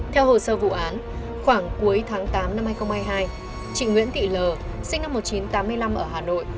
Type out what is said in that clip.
theo hồ sơ vụ án khoảng cuối tháng tám năm hai nghìn hai mươi hai chị nguyễn thị l sinh năm một nghìn chín trăm tám mươi năm ở hà nội